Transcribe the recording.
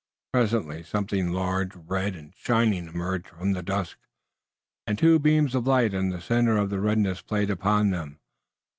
Presently something large, red and shining emerged from the dusk and two beams of light in the center of the redness played upon them.